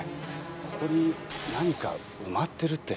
ここに何か埋まってるって。